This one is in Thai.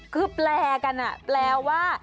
คือแปลกันแปลว่า